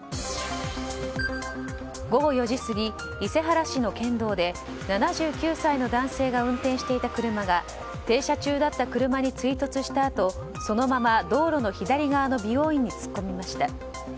午後４時過ぎ、伊勢原市の県道で７９歳の男性が運転していた車が停車中だった車に追突したあとそのまま道路の左側の美容院に突っ込みました。